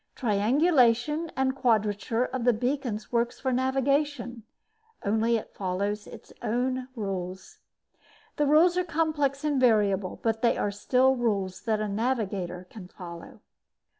Triangulation and quadrature of the beacons works for navigation only it follows its own rules. The rules are complex and variable, but they are still rules that a navigator can follow.